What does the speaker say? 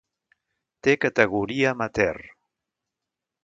Té categoria amateur.